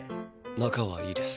仲は良いです。